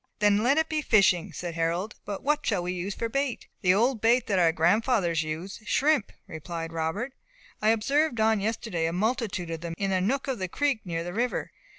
"Then let it be fishing," said Harold; "but what shall we use for bait?" "The old bait that our grandfathers used shrimp," replied Robert. "I observed on yesterday a multitude of them in a nook of the creek near the river.